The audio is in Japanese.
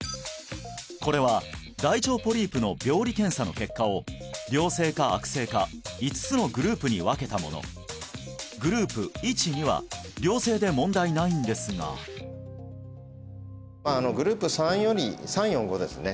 これは大腸ポリープの病理検査の結果を良性か悪性か５つのグループに分けたものグループ１２は良性で問題ないんですがグループ３より３４５ですね